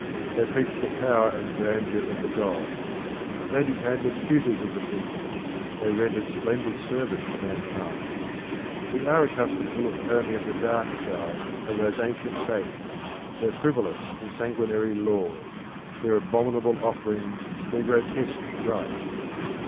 They preached the power and grandeur of the gods. They became the tutors of the people; they rendered splendid service to mankind. We are accustomed to look only at the dark side of those ancient faiths; their frivolous and sanguinary laws, their abominable offerings, their grotesque rites.